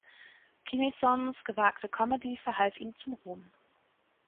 Kinisons gewagte Comedy verhalf ihm zum Ruhm.